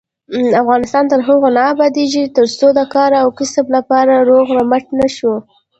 افغانستان تر هغو نه ابادیږي، ترڅو د کار او کسب لپاره روغ رمټ نشو.